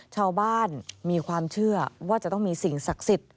ชาวบ้านมีความเชื่อว่าจะต้องมีสิงสักศิษย์